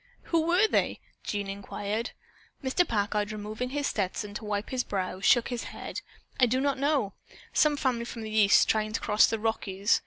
"Who were they?" Jean inquired. Mr. Packard, removing his Stetson to wipe his brow, shook his head. "I do not know. Some family from the East trying to cross the Rockies.